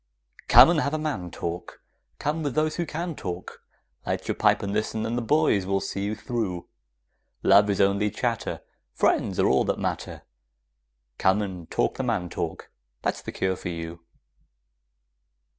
Come and have a man talk, Come with those who can talk, Light your pipe and listen, and the boys will see you through; Love is only chatter, Friends are all that matter; Come and talk the man talk; that's the cure for you!